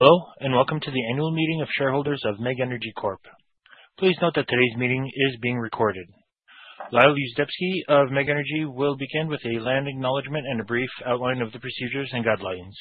Hello, welcome to the annual meeting of shareholders of MEG Energy Corp. Please note that today's meeting is being recorded. Lyle Yuzdepski of MEG Energy will begin with a land acknowledgement and a brief outline of the procedures and guidelines.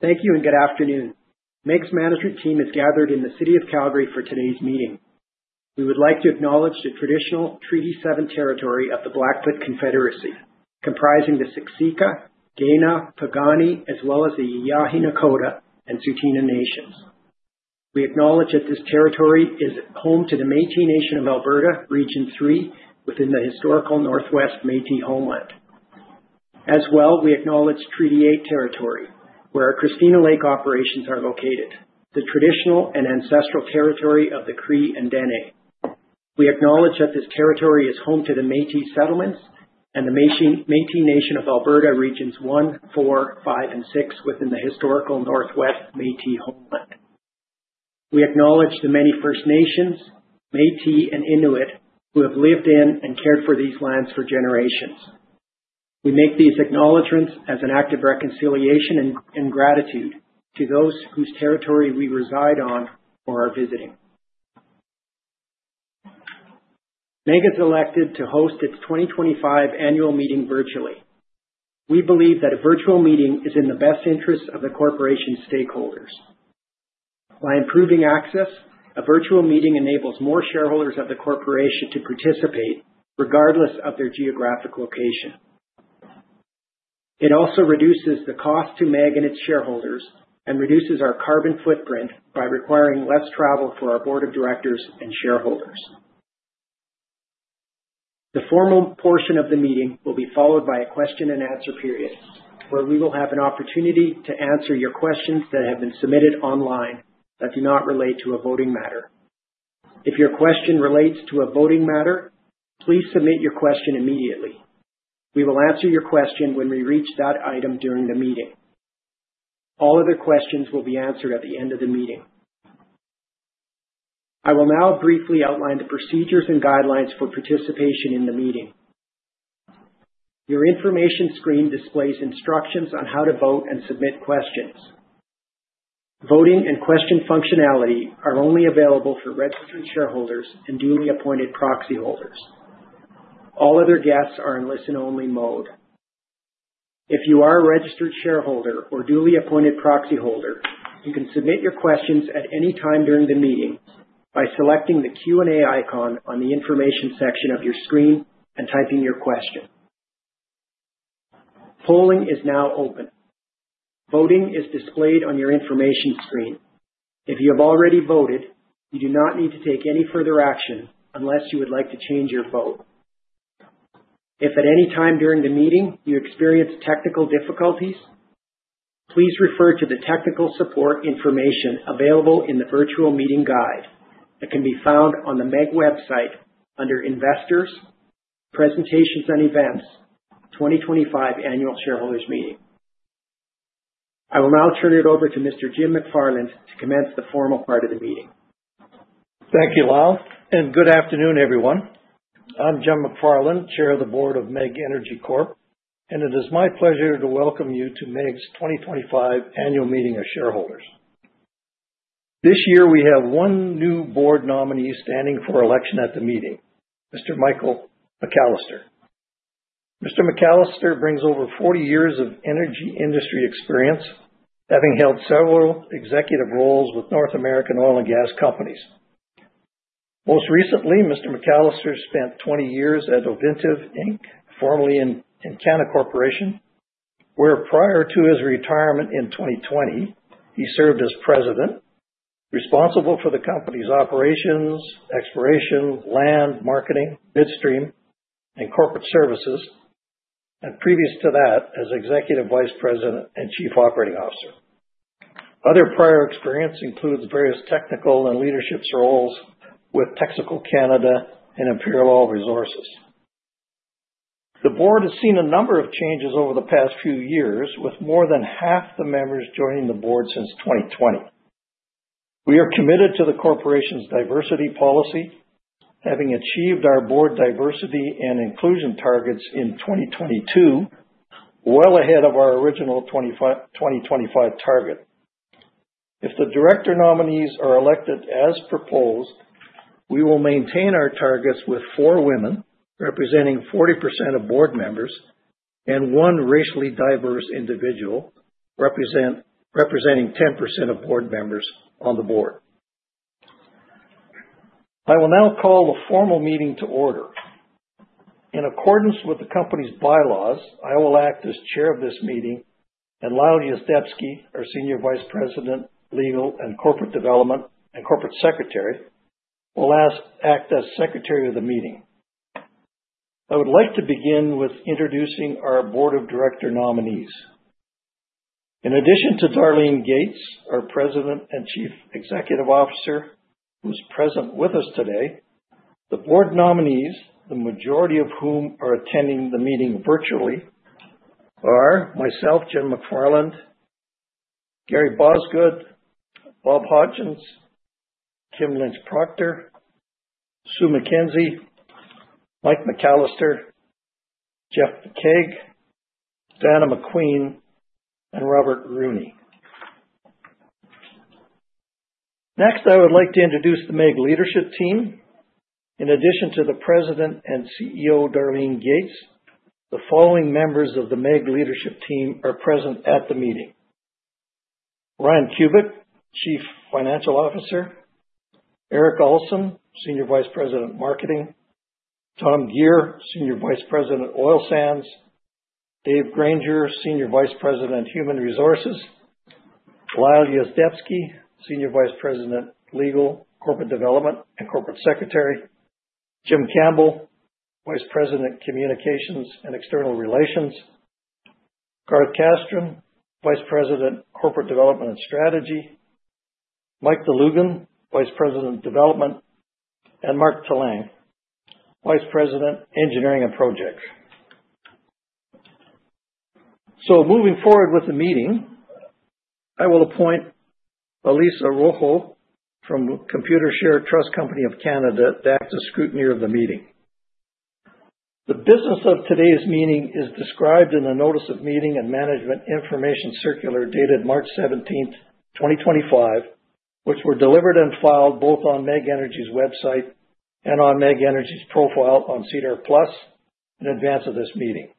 Thank you and good afternoon. MEG's management team is gathered in the city of Calgary for today's meeting. We would like to acknowledge the traditional Treaty Seven territory of the Blackfoot Confederacy, comprising the Siksika, Kainai, Piikani, as well as the Îyâxe Nakoda and Tsuut'ina Nation. We acknowledge that this territory is home to the Métis Nation of Alberta, Region Three, within the historical Northwest Métis homeland. We acknowledge Treaty Eight territory, where our Christina Lake operations are located, the traditional and ancestral territory of the Cree and Dene. We acknowledge that this territory is home to the Métis settlements and the Métis Nation of Alberta Regions One, Four, Five, and Six within the historical Northwest Métis homeland. We acknowledge the many First Nations, Métis, and Inuit who have lived in and cared for these lands for generations. We make these acknowledgments as an act of reconciliation and gratitude to those whose territory we reside on or are visiting. MEG has elected to host its 2025 annual meeting virtually. We believe that a virtual meeting is in the best interest of the corporation's stakeholders. By improving access, a virtual meeting enables more shareholders of the corporation to participate regardless of their geographic location. It also reduces the cost to MEG and its shareholders and reduces our carbon footprint by requiring less travel for our board of directors and shareholders. The formal portion of the meeting will be followed by a question and answer period, where we will have an opportunity to answer your questions that have been submitted online that do not relate to a voting matter. If your question relates to a voting matter, please submit your question immediately. We will answer your question when we reach that item during the meeting. All other questions will be answered at the end of the meeting. I will now briefly outline the procedures and guidelines for participation in the meeting. Your information screen displays instructions on how to vote and submit questions. Voting and question functionality are only available for registered shareholders and duly appointed proxy holders. All other guests are in listen-only mode. If you are a registered shareholder or duly appointed proxy holder, you can submit your questions at any time during the meeting by selecting the Q&A icon on the information section of your screen and typing your question. Polling is now open. Voting is displayed on your information screen. If you have already voted, you do not need to take any further action unless you would like to change your vote. If at any time during the meeting you experience technical difficulties, please refer to the technical support information available in the virtual meeting guide that can be found on the MEG website under Investors, Presentations and Events, 2025 Annual Shareholders Meeting. I will now turn it over to Mr. Jim McFarland to commence the formal part of the meeting. Thank you, Lyle. Good afternoon, everyone. I'm Jim McFarland, Chair of the Board of MEG Energy Corp. It is my pleasure to welcome you to MEG's 2025 Annual Meeting of Shareholders. This year, we have one new board nominee standing for election at the meeting, Mr. Michael McAllister. Mr. McAllister brings over 40 years of energy industry experience, having held several executive roles with North American oil and gas companies. Most recently, Mr. McAllister spent 20 years at Ovintiv Inc., formerly Encana Corporation, where prior to his retirement in 2020, he served as President, responsible for the company's operations, exploration, land, marketing, midstream, and corporate services, and previous to that, as Executive Vice President and Chief Operating Officer. Other prior experience includes various technical and leadership roles with Texaco Canada and Imperial Oil Resources. The board has seen a number of changes over the past few years, with more than half the members joining the board since 2020. We are committed to the corporation's diversity policy, having achieved our board diversity and inclusion targets in 2022, well ahead of our original 2025 target. If the director nominees are elected as proposed, we will maintain our targets with four women, representing 40% of board members, and one racially diverse individual representing 10% of board members on the board. I will now call the formal meeting to order. In accordance with the company's bylaws, I will act as Chair of this meeting, and Lyle Yuzdepski, our Senior Vice President, Legal and Corporate Development and Corporate Secretary, will act as Secretary of the meeting. I would like to begin with introducing our board of director nominees. In addition to Darlene Gates, our President and Chief Executive Officer, who's present with us today, the board nominees, the majority of whom are attending the meeting virtually, are myself, James D. McFarland, Gary Bosgoed, Robert Hodgins, Kim Lynch Proctor, Susan M. MacKenzie, Michael McAllister, Jeffrey J. McCaig, Diana McQueen, and Robert Rooney. Next, I would like to introduce the MEG leadership team. In addition to the President and CEO, Darlene Gates, the following members of the MEG leadership team are present at the meeting. Ryan Kubik, Chief Financial Officer. Erik Alson, Senior Vice President of Marketing. Tom Gear, Senior Vice President, Oil Sands. Dave Granger, Senior Vice President, Human Resources. Lyle Yuzdepski, Senior Vice President, Legal, Corporate Development, and Corporate Secretary. Jim Campbell, Vice President, Communications and External Relations. Garth Castren, Vice President, Corporate Development and Strategy. Mike Dlugan, Vice President, Development, and Mark S. Tilling, Vice President, Engineering and Projects. Moving forward with the meeting, I will appoint Elissa Rojo from Computershare Trust Company of Canada to act as scrutineer of the meeting. The business of today's meeting is described in the notice of meeting and management information circular dated March 17th, 2025, which were delivered and filed both on MEG Energy's website and on MEG Energy's profile on SEDAR+ in advance of this meeting.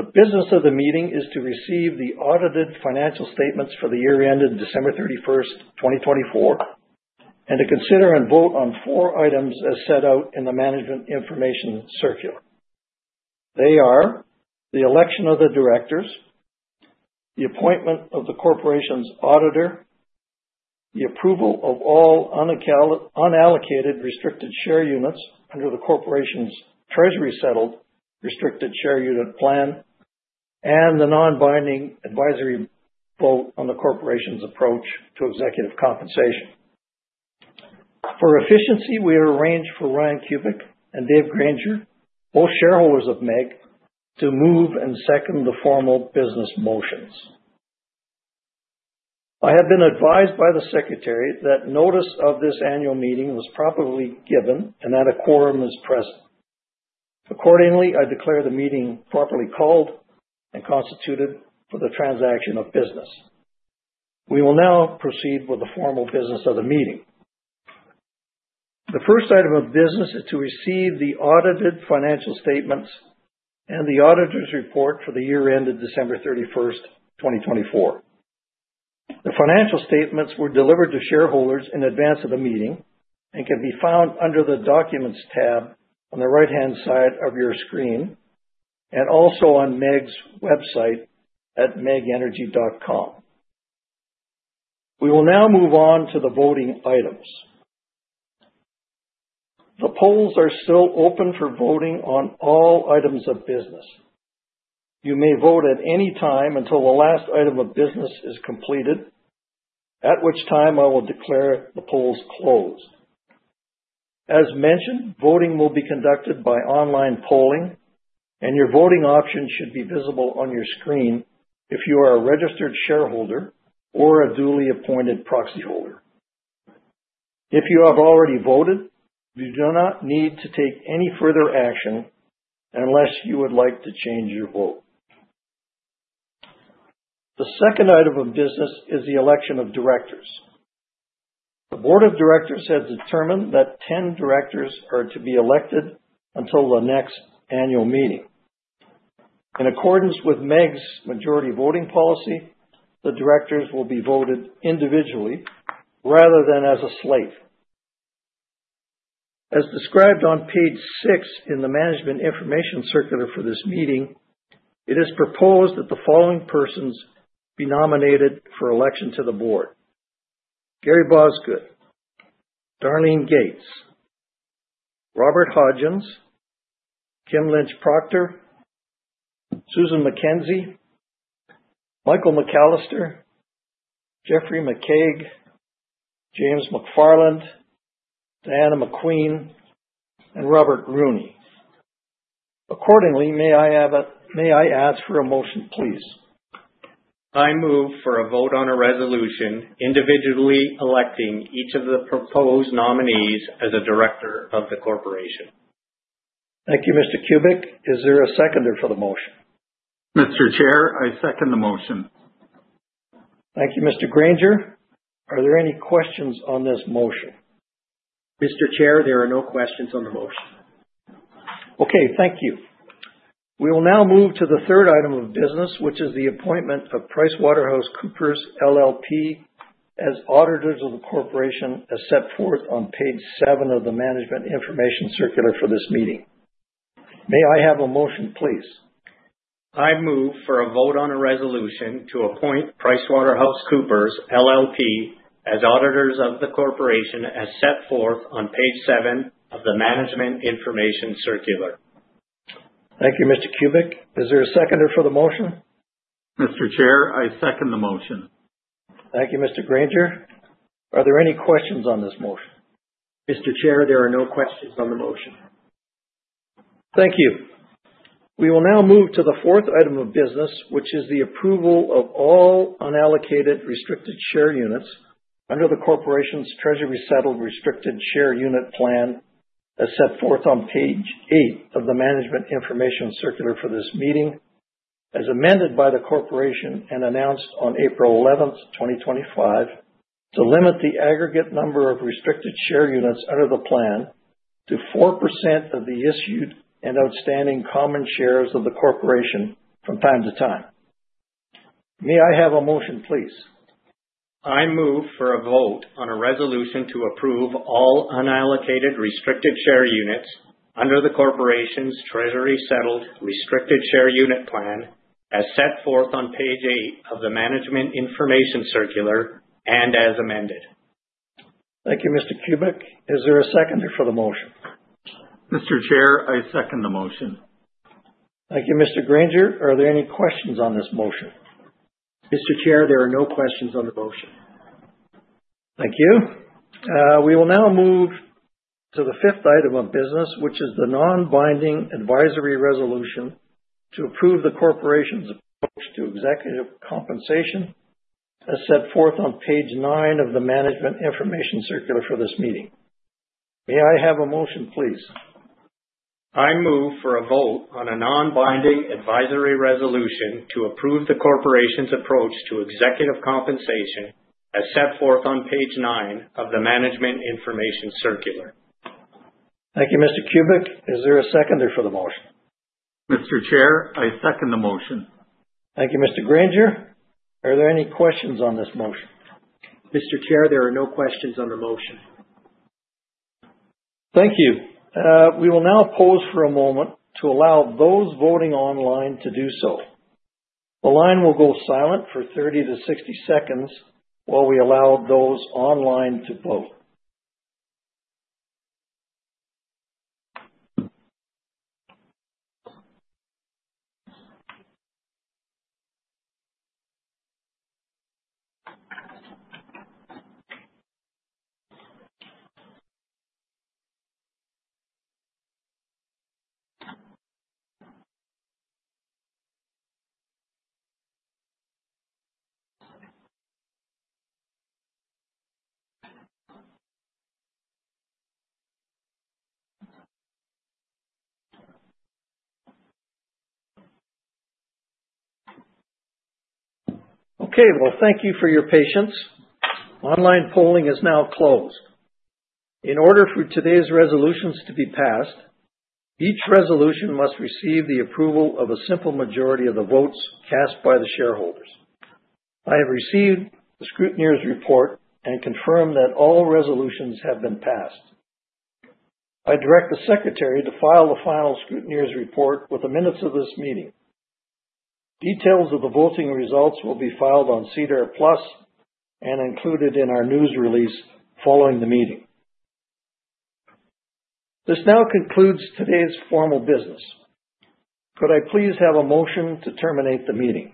The business of the meeting is to receive the audited financial statements for the year ended December 31st, 2024, and to consider and vote on four items as set out in the management information circular. They are the election of the directors, the appointment of the corporation's auditor, the approval of all unallocated restricted share units under the corporation's treasury-settled restricted share unit plan, and the non-binding advisory vote on the corporation's approach to executive compensation. For efficiency, we have arranged for Ryan Kubik and Dave Granger, both shareholders of MEG, to move and second the formal business motions. I have been advised by the secretary that notice of this annual meeting was properly given and that a quorum is present. Accordingly, I declare the meeting properly called and constituted for the transaction of business. We will now proceed with the formal business of the meeting. The first item of business is to receive the audited financial statements and the auditor's report for the year ended December 31, 2024. The financial statements were delivered to shareholders in advance of the meeting and can be found under the Documents tab on the right-hand side of your screen, and also on MEG's website at megenergy.com. We will now move on to the voting items. The polls are still open for voting on all items of business. You may vote at any time until the last item of business is completed, at which time I will declare the polls closed. As mentioned, voting will be conducted by online polling, and your voting options should be visible on your screen if you are a registered shareholder or a duly appointed proxy holder. If you have already voted, you do not need to take any further action unless you would like to change your vote. The second item of business is the election of directors. The board of directors has determined that 10 directors are to be elected until the next annual meeting. In accordance with MEG's majority voting policy, the directors will be voted individually rather than as a slate. As described on page six in the management information circular for this meeting, it is proposed that the following persons be nominated for election to the board: Gary Bosgoed, Darlene Gates, Robert Hodgins, Kim Lynch Proctor, Susan M. MacKenzie, Michael McAllister, Jeffrey J. McCaig, James D. McFarland, Diana McQueen, and Robert Rooney. Accordingly, may I ask for a motion, please? I move for a vote on a resolution individually electing each of the proposed nominees as a director of the corporation. Thank you, Mr. Kubik. Is there a seconder for the motion? Mr. Chair, I second the motion. Thank you, Mr. Granger. Are there any questions on this motion? Mr. Chair, there are no questions on the motion. Okay. Thank you. We will now move to the third item of business, which is the appointment of PricewaterhouseCoopers LLP as auditors of the corporation as set forth on page seven of the management information circular for this meeting. May I have a motion, please? I move for a vote on a resolution to appoint PricewaterhouseCoopers LLP as auditors of the corporation as set forth on page seven of the management information circular. Thank you, Mr. Kubik. Is there a seconder for the motion? Mr. Chair, I second the motion. Thank you, Mr. Granger. Are there any questions on this motion? Mr. Chair, there are no questions on the motion. Thank you. We will now move to the fourth item of business, which is the approval of all unallocated restricted share units under the corporation's treasury-settled restricted share unit plan, as set forth on page eight of the management information circular for this meeting, as amended by the corporation and announced on April 11th, 2025, to limit the aggregate number of restricted share units under the plan to 4% of the issued and outstanding common shares of the corporation from time to time. May I have a motion, please? I move for a vote on a resolution to approve all unallocated restricted share units under the corporation's treasury-settled restricted share unit plan, as set forth on page eight of the management information circular and as amended. Thank you, Mr. Kubik. Is there a seconder for the motion? Mr. Chair, I second the motion. Thank you, Mr. Granger. Are there any questions on this motion? Mr. Chair, there are no questions on the motion. Thank you. We will now move to the fifth item of business, which is the non-binding advisory resolution to approve the corporation's approach to executive compensation, as set forth on page nine of the management information circular for this meeting. May I have a motion, please? I move for a vote on a non-binding advisory resolution to approve the corporation's approach to executive compensation, as set forth on page nine of the management information circular. Thank you, Mr. Kubik. Is there a seconder for the motion? Mr. Chair, I second the motion. Thank you, Mr. Granger. Are there any questions on this motion? Mr. Chair, there are no questions on the motion. Thank you. We will now pause for a moment to allow those voting online to do so. The line will go silent for 30 to 60 seconds while we allow those online to vote. Okay. Well, thank you for your patience. Online polling is now closed. In order for today's resolutions to be passed, each resolution must receive the approval of a simple majority of the votes cast by the shareholders. I have received the scrutineer's report and confirm that all resolutions have been passed. I direct the secretary to file the final scrutineer's report with the minutes of this meeting. Details of the voting results will be filed on SEDAR+ and included in our news release following the meeting. This now concludes today's formal business. Could I please have a motion to terminate the meeting?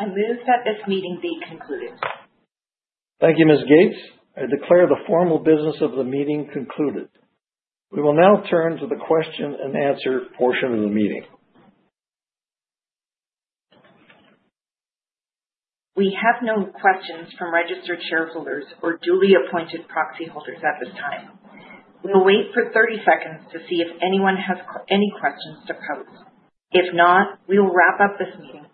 I move that this meeting be concluded. Thank you, Ms. Gates. I declare the formal business of the meeting concluded. We will now turn to the question and answer portion of the meeting. We have no questions from registered shareholders or duly appointed proxy holders at this time. We will wait for 30 seconds to see if anyone has any questions to pose. If not, we will wrap up this meeting.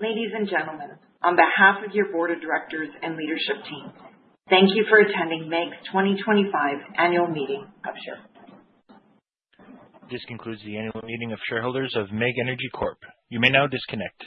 Ladies and gentlemen, on behalf of your board of directors and leadership team, thank you for attending MEG's 2025 Annual General Meeting of shareholders. This concludes the Annual General Meeting of shareholders of MEG Energy Corp. You may now disconnect.